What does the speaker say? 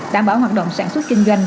đảm bảo hoạt động sản xuất kinh doanh